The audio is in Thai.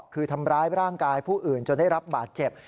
คือทำร้ายร่างกายผู้อื่นจนได้รับบาดเจ็บ